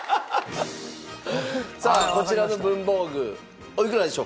さあこちらの文房具おいくらでしょうか？